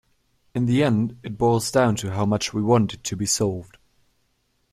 In the end it boils down to how much we want it to be solved.